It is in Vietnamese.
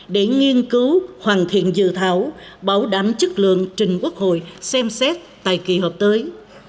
để nghiên cứu hoàn thiện dự thảo bảo đảm chất lượng trình quốc hội xem xét tại kỳ họp tới